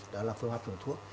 đó là phương pháp trùng thuốc